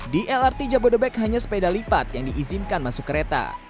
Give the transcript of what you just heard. di lrt jabodebek hanya sepeda lipat yang diizinkan masuk kereta